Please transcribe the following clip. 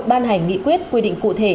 ban hành nghị quyết quy định cụ thể